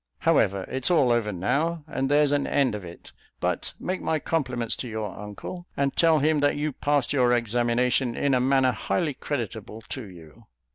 However, it's all over now, and there's an end of it; but make my compliments to your uncle, and tell him that you passed your examination in a manner highly creditable to you."